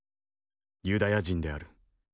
ユダヤ人である。